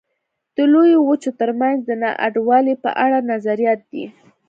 د لویو وچو ترمنځ د نا انډولۍ په اړه نظریات دي.